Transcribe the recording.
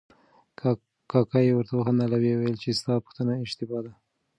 کاکا یې ورته وخندل او ویې ویل چې ستا پوښتنه اشتباه ده.